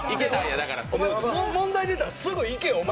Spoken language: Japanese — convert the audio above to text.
問題出たらすぐ行けよお前。